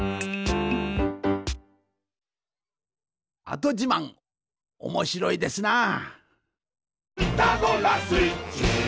「跡じまん」おもしろいですなあ。